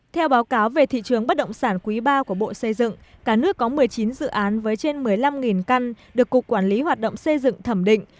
theo báo cáo về thị trường bất động sản quý ba của bộ xây dựng cả nước có một mươi chín dự án với trên một mươi năm căn được cục quản lý hoạt động xây dựng thẩm định